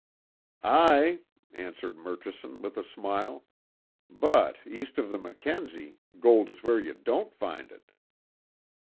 '" "Aye," answered Murchison, with a smile, "But, east of the Mackenzie, gold is where you don't find it."